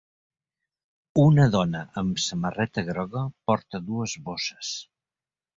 Una dona amb samarreta groga porta dues bosses.